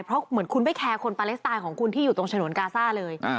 เพราะเหมือนคุณไม่แคร์คนปาเลสไตล์ของคุณที่อยู่ตรงฉนวนกาซ่าเลย